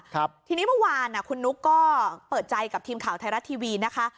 ทีนี้เมื่อวานอ่ะคุณนุ๊กก็เปิดใจกับทีมข่าวไทยรัฐทีวีนะคะ